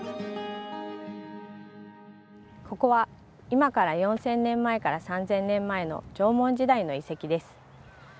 ここは今から４，０００年前から３，０００年前の縄文時代の遺跡です。